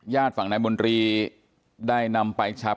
ญาติฝั่งนายบนรีได้นำไปชับ